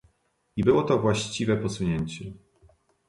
I było to właściwe posunięcie!